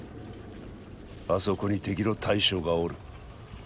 あそこに敵の大将がおる。